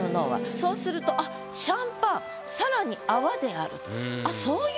そうするとあっシャンパン更に泡であると。